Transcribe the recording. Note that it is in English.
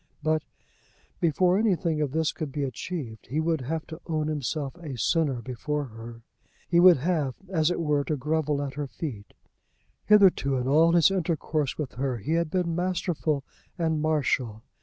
But, before anything of this could be achieved, he would have to own himself a sinner before her. He would have, as it were, to grovel at her feet. Hitherto, in all his intercourse with her, he had been masterful and marital.